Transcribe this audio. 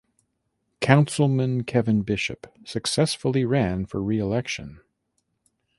Councilman Kevin Bishop successfully ran for reelection.